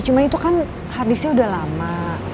cuma itu kan harddisknya udah lama